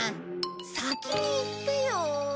先に言ってよ。